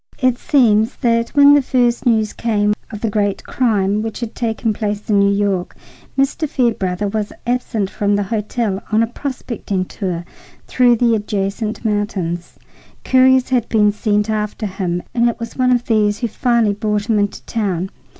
It seems that when the first news came of the great crime which had taken place in New York, Mr. Fairbrother was absent from the hotel on a prospecting tour through the adjacent mountains. Couriers had been sent after him, and it was one of these who finally brought him into town.